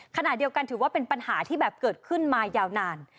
ขณะเดียวกันถือว่าเป็นปัญหาที่แบบเกิดขึ้นมายาวนาน